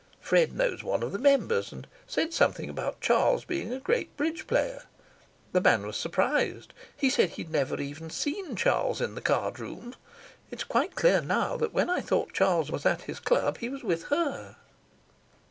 Fred knows one of the members, and said something about Charles being a great bridge player. The man was surprised. He said he'd never even seen Charles in the card room. It's quite clear now that when I thought Charles was at his club he was with her."